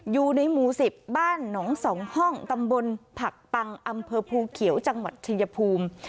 อยู่ในหมู่๑๐บ้านหนอง๒ห้องตำบลผักปังอำเภอภูเขียวจังหวัดชายภูมิ